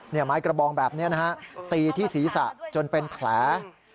ไม้กระบองแบบนี้นะฮะตีที่ศีรษะจนเป็นแผล